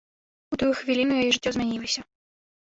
У тую хвіліну яе жыццё змянілася.